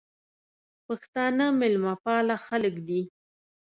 پښتانه میلمه پاله خلک دي